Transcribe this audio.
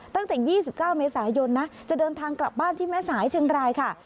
ตั้งแต่๒๙เมษายนนะจะเดินทางกลับบ้านที่แม่สายเชียงรายค่ะ